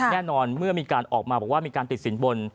เมื่อมีการออกมาบอกว่ามีการติดสินบน